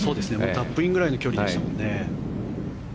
タップインくらいの距離でしたもんね。